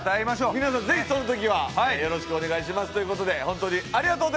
皆さんぜひその時はよろしくお願いしますという事で本当にありがとうございました！